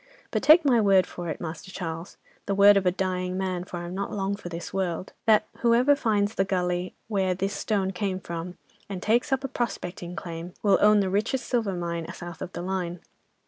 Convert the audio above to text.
But, take my word for it, Master Charles, the word of a dying man, for I'm not long for this world, that whoever finds the gully where this stone came from, and takes up a prospecting claim, will own the richest silver mine, south of the line.